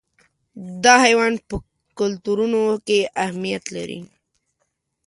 دا حیوان په کلتورونو کې اهمیت لري.